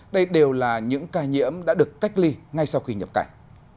đây đều là những ca nhiễm đã được cách ly ngay sau khi nhập cảnh